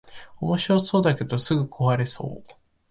おもしろそうだけどすぐ壊れそう